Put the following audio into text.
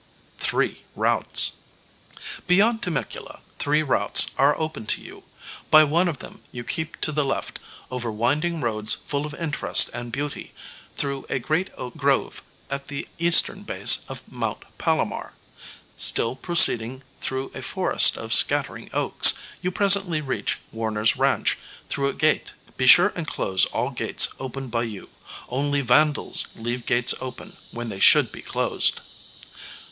Three Routes. Beyond Temecula three routes are open to you. By one of them you keep to the left, over winding roads full of interest and beauty, through a great oak grove at the eastern base of Mt. Palomar. Still proceeding through a forest of scattering oaks, you presently reach Warner's ranch through a gate. Be sure and close all gates opened by you. Only vandals leave gates open when they should be closed.